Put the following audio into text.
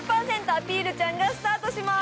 アピルちゃん」がスタートします！